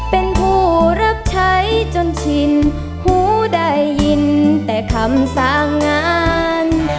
เป็นผู้รับใช้จนชินหูได้ยินแต่คำสั่งงาน